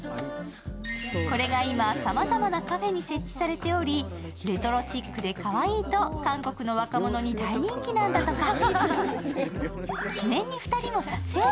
これが今、さまざまなカフェに設置されており、レトロチックでかわいいと韓国の若者に大人気なんだとか。